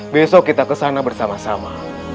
besok kita kesana bersama sama